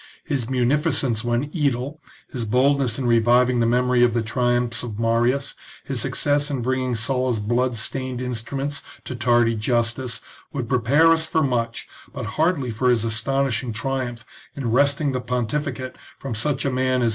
His munificence when aedile, his boldness in reviving the memory of the triumphs of Marius, his success in bringing Sulla's blood stained instruments to tardy justice, would prepare us for much, but hardly for his astonishing triumph in wresting the pontificate from such a man as Q.